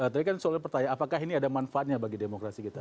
tapi kan soal pertanyaan apakah ini ada manfaatnya bagi demokrasi kita